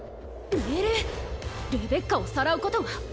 命令？レベッカをさらうことが？